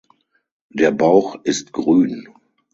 Der Bauch ist grün.